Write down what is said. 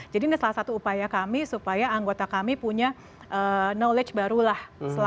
jadi ini salah satu upaya kami supaya anggota kami punya knowledge baru lah